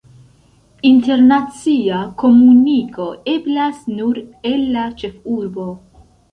Internacia komuniko eblas nur el la ĉefurbo.